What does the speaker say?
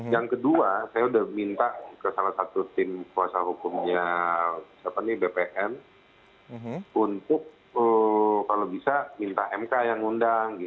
yang kedua saya sudah minta ke salah satu tim kuasa hukumnya bpn untuk kalau bisa minta mk yang undang